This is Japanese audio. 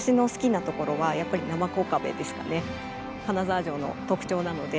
金沢城の特徴なので。